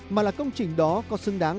mà là công trình đó có xứng đáng